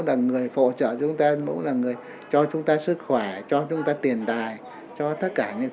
là người phụ trợ chúng ta cũng là người cho chúng ta sức khỏe cho chúng ta tiền tài cho tất cả những